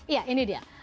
iya ini dia